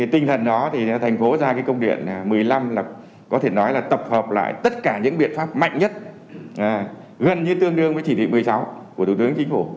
tinh thần đó thành phố ra công điện một mươi năm là có thể nói là tập hợp lại tất cả những biện pháp mạnh nhất gần như tương đương với chỉ thị một mươi sáu của thủ tướng chính phủ